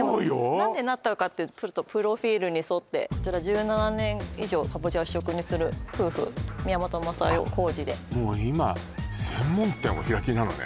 何でなったかってちょっとプロフィールに沿ってこちら「１７年以上カボチャを主食にする夫婦」「宮本雅代香二」でもう今専門店をお開きなのね